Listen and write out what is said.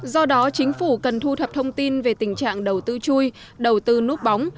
do đó chính phủ cần thu thập thông tin về tình trạng đầu tư chui đầu tư núp bóng